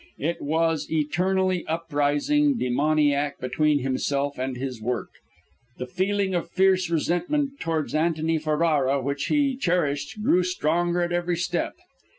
It was eternally uprising, demoniac, between himself and his work. The feeling of fierce resentment towards Antony Ferrara which he cherished grew stronger at every step.